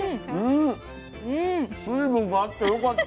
水分があってよかった。